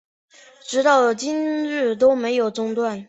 直到今日都没有中断